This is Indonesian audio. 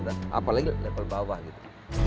apalagi level bawah gitu